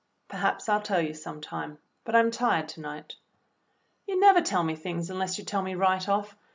"Perhaps I'll tell you some time, but I'm tired to night." "You never tell me things unless you tell me right off.